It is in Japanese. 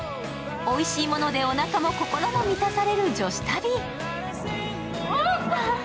おいしいものでおなかも心も満たされる女子旅。